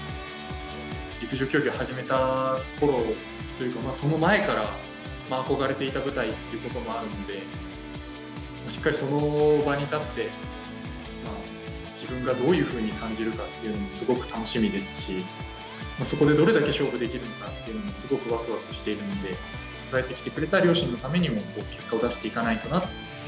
陸上競技を始めたころというか、その前から憧れていた舞台ということもあるんで、しっかりその場に立って、自分がどういうふうに感じるかっていうのもすごく楽しみですし、そこでどれだけ勝負できるのかというのもすごくわくわくしているので、支えてきてくれた両親のためにも、結果を出していかないとなと。